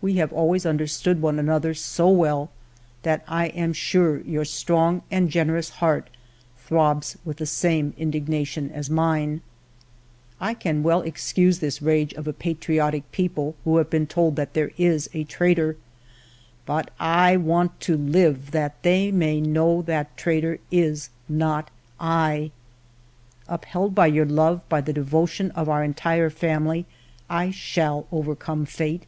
We have always understood one an other so well that I am sure your strong and generous heart throbs with the same indignation as mine. ..." I can well excuse this rage of a patriotic peo ple who have been told that there is a traitor, ... but I want to live that they may know that traitor is not L '*" Upheld by your love, by the devotion of our entire family, I shall overcome fate.